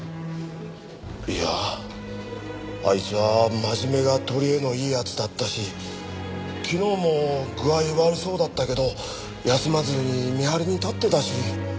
いやあいつは真面目が取りえのいい奴だったし昨日も具合悪そうだったけど休まずに見張りに立ってたし。